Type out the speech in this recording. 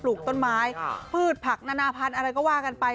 ลูกต้นไม้พืชผักนานาพันธุ์อะไรก็ว่ากันไป